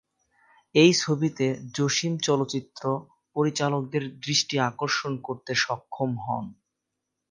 এই ছবিতে জসিম চলচ্চিত্র পরিচালকদের দৃষ্টি আকর্ষণ করতে সক্ষম হন।